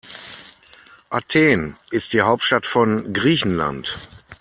Athen ist die Hauptstadt von Griechenland.